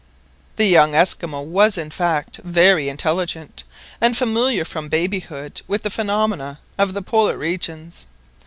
The young Esquimaux was, in fact, very intelligent, and familiar from babyhood with the phenomena of the Polar regions.